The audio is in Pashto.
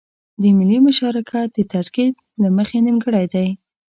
د ملي مشارکت د ترکيب له مخې نيمګړی دی.